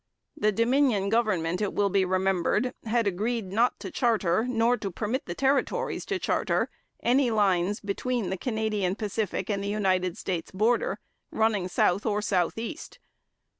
The Dominion government, it will be remembered, had agreed not to charter, nor to permit the territories to charter, any lines between the Canadian Pacific and the United States border, running south or southeast.